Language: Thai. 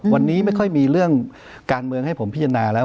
วันนี้ไม่ค่อยมีเรื่องการเมืองให้ผมพิจารณาแล้ว